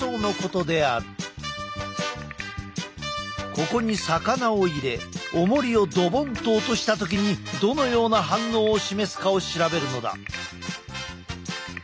ここに魚を入れおもりをドボンと落とした時にどのような反応を示すかを調べるのだ。